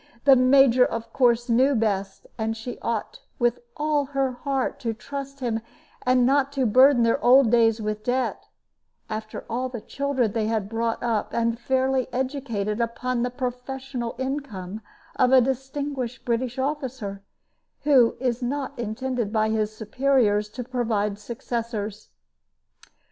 The Major of course knew best, and she ought with all her heart to trust him not to burden their old days with debt, after all the children they had brought up and fairly educated upon the professional income of a distinguished British officer, who is not intended by his superiors to provide successors.